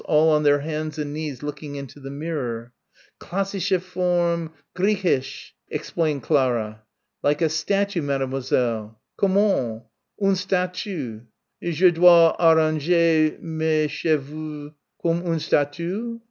all on their hands and knees looking into the mirror.... "Classische Form Griechisch," explained Clara. "Like a statue, Mademoiselle." "Comment! Une statue! Je dois arranger mes cheveux comme une statue?